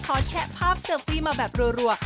พอแชะภาพเซอร์ฟี่มาแบบรว